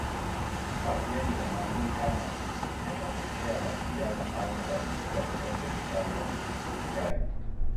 Watu Wengi wanaamini kama yatatokea mapigano au mabadiliko katika Serikali ya Kigali